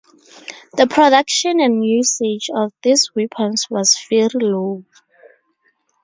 The production and usage of these weapons was very low.